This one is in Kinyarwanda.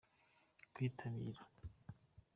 kwitabira.